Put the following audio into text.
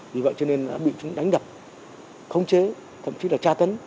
vì vậy cho nên là bị đánh đập không chế thậm chí là tra tấn